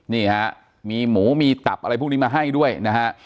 นี่ฮะมีหมูมีตับอะไรพวกนี้มาให้ด้วยนะฮะ